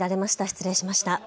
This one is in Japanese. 失礼いたしました。